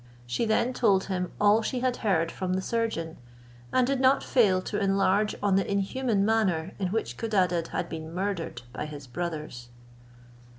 She then told him all she had heard from the surgeon, and did not fail to enlarge on the inhuman manner in which Codadad had been murdered by his brothers.